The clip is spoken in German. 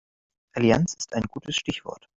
Allianz ist ein gutes Stichwort.